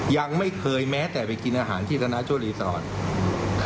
ยังไม่เคยแม้แต่ไปกินอาหารที่ธนาโชรีสอร์ท